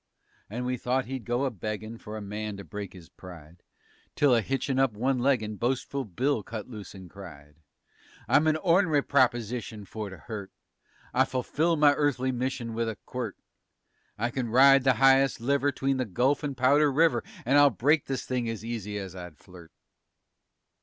And we thought he'd go a beggin' For a man to break his pride Till, a hitchin' up one leggin, Boastful Bill cut loose and cried "I'm a on'ry proposition for to hurt; I fulfil my earthly mission with a quirt; I kin ride the highest liver 'Tween the Gulf and Powder River, _And I'll break this thing as easy as I'd flirt.